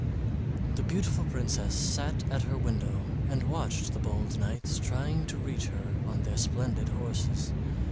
The beautiful princess sat at her window and watched the bold knights trying to reach her on their splendid horses.